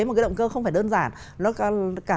một cái động cơ không phải đơn giản nó cả